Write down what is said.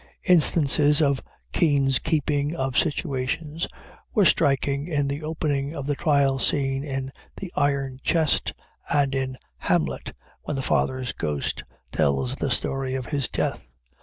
Instances of Kean's keeping of situations were striking in the opening of the trial scene in The Iron Chest, and in Hamlet, when the father's ghost tells the story of his death.